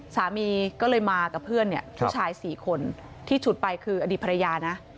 สามีก็เลยมากับเพื่อนเนี่ยผู้ชาย๔คนที่ฉุดไปคืออดีตภรรยานะ